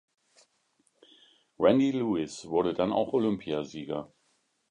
Randy Lewis wurde dann auch Olympiasieger.